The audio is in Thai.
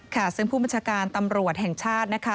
ค่ะซึ่งผู้บัญชาการตำรวจแห่งชาตินะคะ